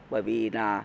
bởi vì là hiện tại